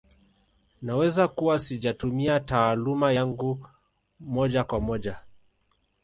Naweza kuwa sijatumia taaluma yangu moja kwa moja